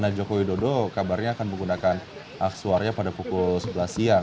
karena joko widodo kabarnya akan menggunakan hak suaranya pada pukul sebelas siang